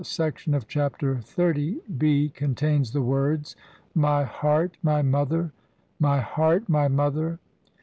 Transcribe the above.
section of Chapter XXX b contains the words, "My "heart, my mother; my heart, my mother!